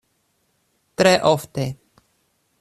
Tre ofte.